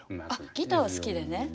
あっギターは好きでね。